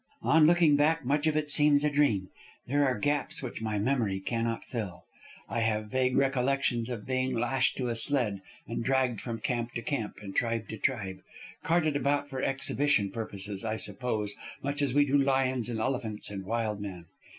"On looking back much of it seems a dream. There are gaps which my memory cannot fill. I have vague recollections of being lashed to a sled and dragged from camp to camp and tribe to tribe. Carted about for exhibition purposes, I suppose, much as we do lions and elephants and wild men.